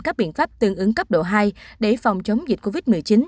các biện pháp tương ứng cấp độ hai để phòng chống dịch covid một mươi chín